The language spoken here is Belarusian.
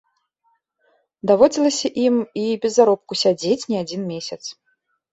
Даводзілася ім і без заробку сядзець не адзін месяц.